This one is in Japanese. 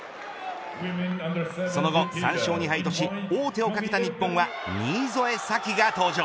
その後３勝２敗とし王手をかけた日本は新添左季が登場。